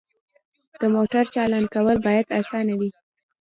د موټر چالان کول باید اسانه وي.